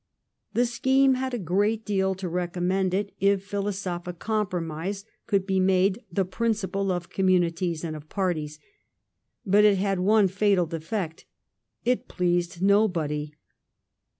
The scheme had a great deal to recommend it if philosophic compromise could be made the principle of communities and of parties ; but it had one fatal defect — it pleased nobody.